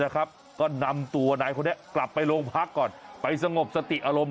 ก็นำตัวนายคนนี้กลับไปโรงพักก่อนไปสงบสติอารมณ์